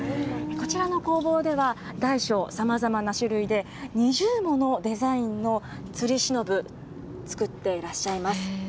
こちらの工房では、大小さまざまな種類で、２０ものデザインのつりしのぶ、作っていらっしゃいます。